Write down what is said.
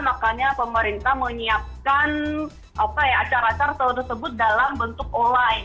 makanya pemerintah menyiapkan acara acara tersebut dalam bentuk online